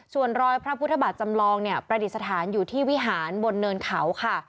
ส่วนรอยพระพุทธบาทจำลองเนี่ยประดิษฐานอยู่ที่วิหารบนเนินเขาค่ะ